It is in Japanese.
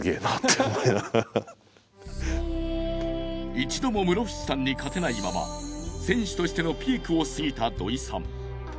一度も室伏さんに勝てないまま選手としてのピークを過ぎた土井さん。